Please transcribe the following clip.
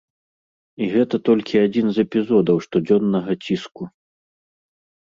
І гэта толькі адзін з эпізодаў штодзённага ціску.